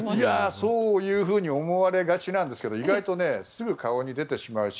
そういうふうに思われがちなんですけど意外とすぐに顔に出てしまうし